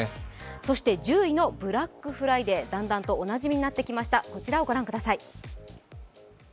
そして１０位のブラックフライデー、だんだんとおなじみになってきました。